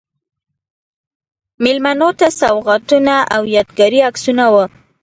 میلمنو ته سوغاتونه او یادګاري عکسونه و.